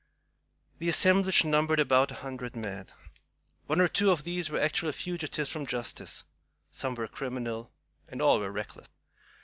The assemblage numbered about a hundred men. One or two of these were actual fugitives from justice, some were criminal, and all were reckless.